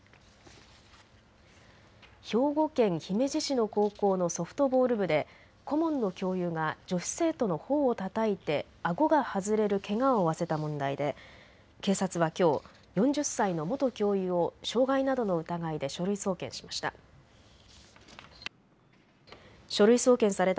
兵庫県姫路市の高校のソフトボール部で顧問の教諭が女子生徒のほおをたたいてあごが外れるけがを負わせた問題で警察はきょう４０歳の元教諭を傷害などの疑いで書類送検しました。